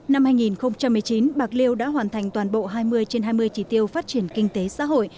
năm hai nghìn một mươi chín bạc liêu đã hoàn thành toàn bộ hai mươi trên hai mươi chỉ tiêu phát triển kinh tế xã hội